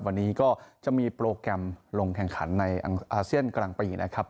วันนี้ก็จะมีโปรแกรมลงแข่งขันในอาเซียนกลางปีนะครับ